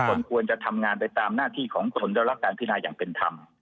คนควรจะทำงานไปตามหน้าที่ของตนได้รับการพินาอย่างเป็นธรรม